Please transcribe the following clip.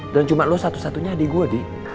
dan cuma lo satu satunya adik gue di